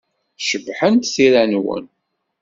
Cebḥent tira-nwen.